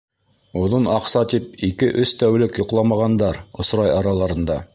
Оҙон аҡса тип ике-өс тәүлек йоҡламағандар осрай араларында.